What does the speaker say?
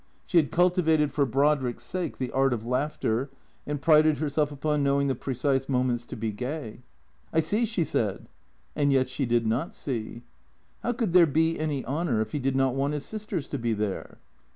She had cultivated for Brodrick's sake the art of laughter, and prided herself upon knowing the precise moments to be gay. " I see," she said. And yet she did not see. How could there be any honour if he did not want his sisters to be there?